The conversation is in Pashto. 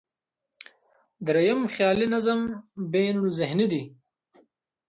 درېیم، خیالي نظم بینالذهني دی.